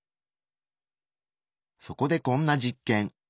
そこでこんな実験。